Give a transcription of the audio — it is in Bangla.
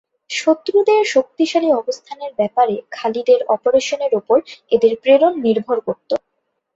শত্রুদের শক্তিশালী অবস্থানের ব্যাপারে খালিদের অপারেশনের উপর এদের প্রেরণ নির্ভর করত।